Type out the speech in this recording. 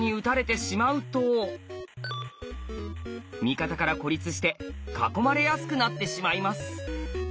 味方から孤立して囲まれやすくなってしまいます。